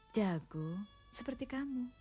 jago seperti kamu